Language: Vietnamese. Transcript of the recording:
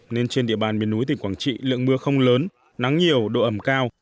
nên trên địa bàn miền núi tỉnh quảng trị lượng mưa không lớn nắng nhiều độ ẩm cao